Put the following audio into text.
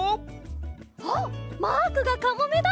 あっマークがかもめだ！